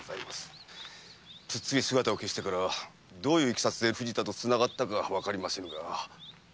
プッツリ姿を消してからどういういきさつで藤田と繋がったかわかりませぬが。